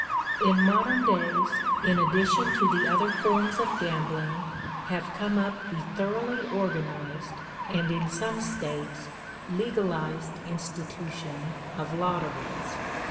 In modern days, in addition to the other forms of gambling, have come up the thoroughly organized and, in some States, legalized institution of lotteries.